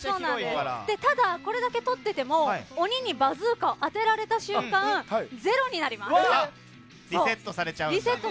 ただ、これだけ取ってても鬼にバズーカ当てられた瞬間リセットされちゃう。